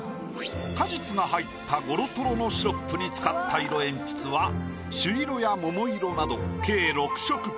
果実が入ったごろとろのシロップに使った色えんぴつは朱色や桃色など計６色。